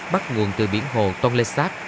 bắt nguồn từ biển hồ tonle sap